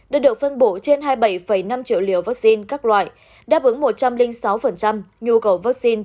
đã được phân bổ trên hai mươi bảy năm triệu liều vaccine các loại đáp ứng một trăm linh sáu nhu cầu vaccine